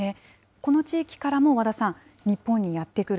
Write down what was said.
この地域からも和田さん、日本にやって来る、